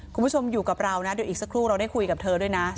คุณผู้ชมอยู่กับเรานะเดี๋ยวอีกสักครู่เราได้คุยกับเธอด้วยนะ